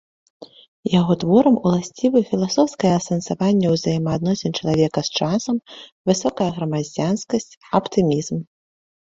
Яго творам уласцівы філасофскае асэнсаванне ўзаемаадносін чалавека з часам, высокая грамадзянскасць, аптымізм.